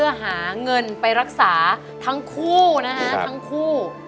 ต้องหาเงินไปรักษาทั้งคู่